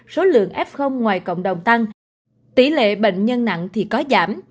số lượng f ngoài cộng đồng tăng tỷ lệ bệnh nhân nặng thì có giảm